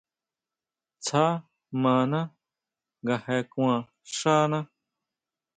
Tsja mana nga je kuan xána.